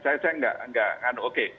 saya tidak tidak oke